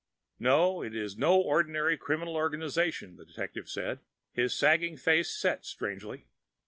"No, it is no ordinary criminal organization," the detective said. His sagging face set strangely.